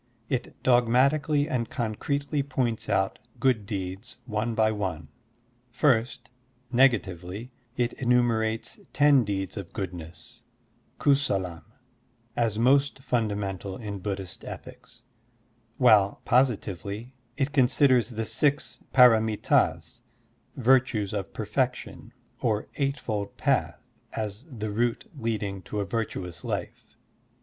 It dogmatically and concretely points out good deeds one by one. First, nega tively, it entmierates ten deeds of goodness {kusalam) as most fundamental in Buddhist ethics; while, positively, it considers the six p^ramit^s (virtues of perfection) or eightfold path as the route leading to a virtuous life.